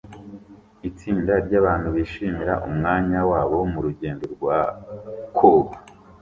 itsinda ryabantu bishimira umwanya wabo murugendo rwa koga